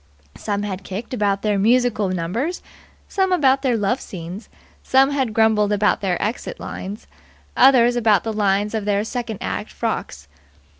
Some had kicked about their musical numbers, some about their love scenes; some had grumbled about their exit lines, others about the lines of their second act frocks.